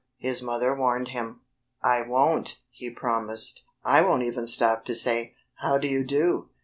his mother warned him. "I won't!" he promised. "I won't even stop to say, 'How do you do!'"